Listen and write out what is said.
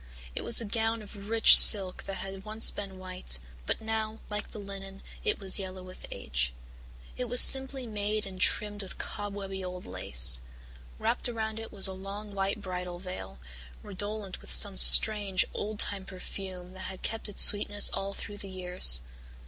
It was a gown of rich silk that had once been white, but now, like the linen, it was yellow with age. It was simply made and trimmed with cobwebby old lace. Wrapped around it was a long white bridal veil, redolent with some strange, old time perfume that had kept its sweetness all through the years.